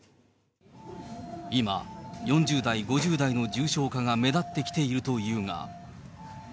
今、４０代、５０代の重症化が目立ってきているというが。